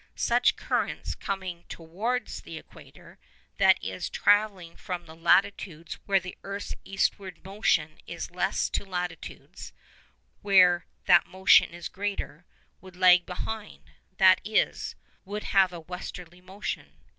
Such currents coming towards the equator, that is, travelling from latitudes where the earth's eastwardly motion is less to latitudes where that motion is greater, would lag behind, that is, would have a westwardly motion.